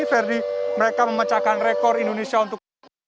jadi mereka memecahkan rekor indonesia untuk